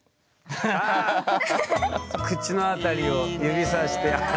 口の辺りを指さして。